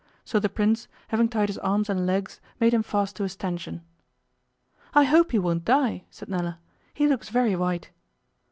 So the Prince, having tied his arms and legs, made him fast to a stanchion. 'I hope he won't die,' said Nella. 'He looks very white.